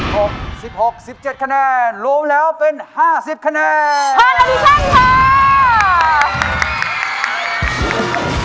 หกสิบหกสิบเจ็ดคะแนนรวมแล้วเป็นห้าสิบคะแนนห้าอธิสั้นค่ะ